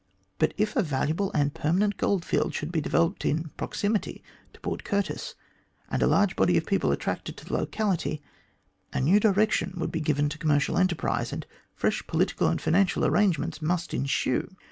But if a valuable and permanent goldfield should be developed in proximity to Port 'Curtis, and a large body of people attracted to the locality, a new direction would be given to commercial enterprise, and fresh political and financial arrangements must ensue.